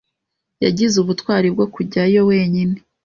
Yagize ubutwari bwo kujyayo wenyine.